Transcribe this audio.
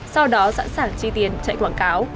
sau đó sẵn sàng chi tiền chạy quảng cáo